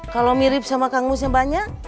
kalau mirip sama kang musnya banyak